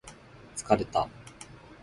疲れたよ